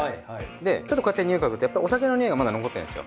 でちょっとこうやってにおい嗅ぐとやっぱりお酒のにおいがまだ残ってるんですよ。